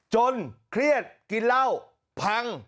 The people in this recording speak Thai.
เครียดกินเหล้าพัง